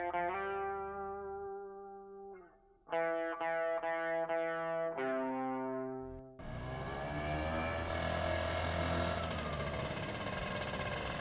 saya mau ke rumah